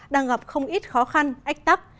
đang gặp không ít khó khăn ách tắc